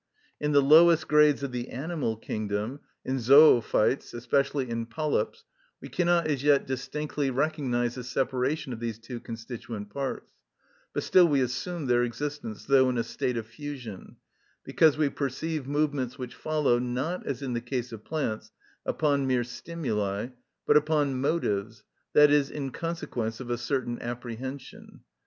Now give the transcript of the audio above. In the lowest grades of the animal kingdom, in zoophites, especially in polyps, we cannot as yet distinctly recognise the separation of these two constituent parts, but still we assume their existence, though in a state of fusion; because we perceive movements which follow, not, as in the case of plants, upon mere stimuli, but upon motives, i.e., in consequence of a certain apprehension.